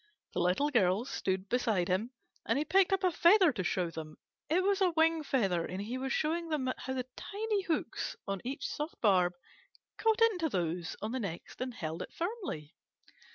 The Little Girls stood beside him, and he picked up a feather to show them. It was a wing feather, and he was showing them how the tiny hooks on each soft barb caught into those on the next and held it firmly.